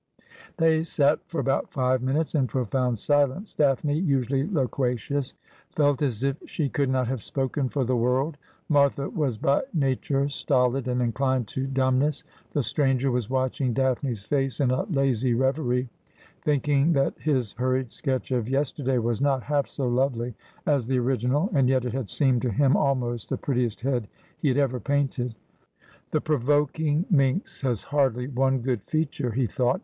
They sat for about five minutes in profound silence. Daphne, usually loquacious, felt as if she could not have spoken for the world. Martha was by nature stolid and inclined to dumbness. The stranger was watching Daphne's face in a lazy reverie, thinking that his hurried sketch of yesterday was not half so lovely as the original, and yet it had seemed to him almost the prettiest head he had ever painted. ' The provoking minx has hardly one good feature,' he thought.